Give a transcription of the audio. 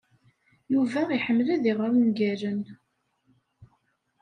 Yuba iḥemmel ad iɣer ungalen.